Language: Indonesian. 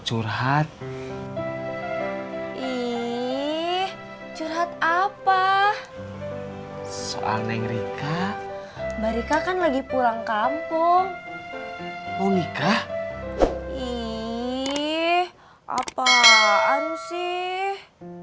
mau curhat ih curhat apa soal neng rika mereka kan lagi pulang kampung mau nikah ih apaan sih